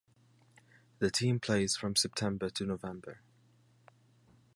The team plays from September to November.